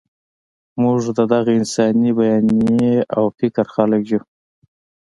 موږ د دغه انساني بیانیې او فکر خلک یو.